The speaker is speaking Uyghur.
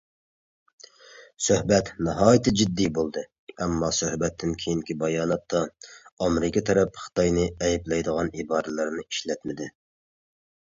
سۆھبەت ناھايىتى جىددىي بولدى، ئەمما سۆھبەتتىن كېيىنكى باياناتتا ئامېرىكا تەرەپ خىتاينى ئەيىبلەيدىغان ئىبارىلەرنى ئىشلەتمىدى.